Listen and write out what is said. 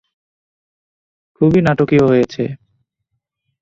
খুবই নাটকীয় হয়েছে।